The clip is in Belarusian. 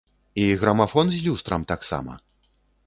І грамафон з люстрам таксама?